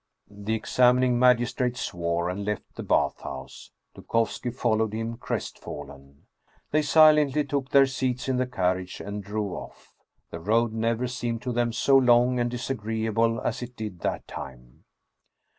The examining magistrate swore, and left the bath house. Dukovski followed him, crestfallen. They silently took their seats in the carriage and drove off. The road never seemed to them so long and disagreeable as it did that time.